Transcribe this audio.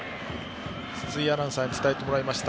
筒井アナウンサーに伝えてもらいました。